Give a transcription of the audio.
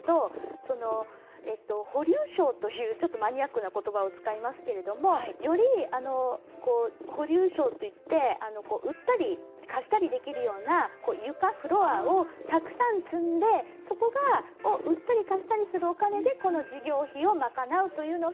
「保留床」というちょっとマニアックな言葉を使いますけれどもいわゆる保留床といって売ったり貸したりできるような床、フロアをたくさん積んでそこを売ったり貸したりするお金でこの事業費を賄うというのが